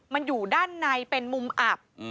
มันอยู่ด้านในเป็นมุมอับ